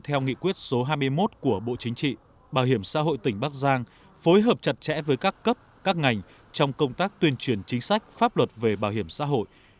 theo nghị quyết số hai mươi một của bộ chính trị bảo hiểm xã hội tỉnh bắc giang phối hợp chặt chẽ với các cấp các ngành trong công tác tuyên truyền chính sách pháp luật về bảo hiểm xã hội